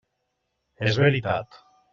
És veritat?